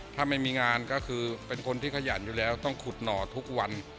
ถ้าไม่มีงานก็คือเป็นคนที่ขยันอยู่แล้วต้องขุดหน่อทุกวัน